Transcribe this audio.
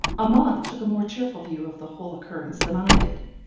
Amante took a more cheerful view of the whole occurrence than I did.